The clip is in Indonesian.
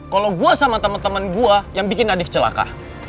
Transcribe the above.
kalo gua sama temen temen gua yang bikin nadif celaka